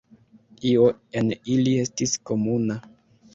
Io en ili estis komuna.